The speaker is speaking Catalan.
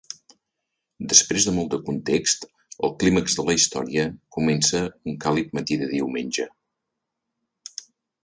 Després de molt de context, el clímax de la història comença un càlid matí de diumenge.